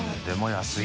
安い。